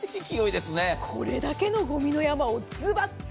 これだけのゴミの山をズバッと。